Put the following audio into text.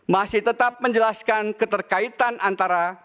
masih tetap menjelaskan keterkaitan antara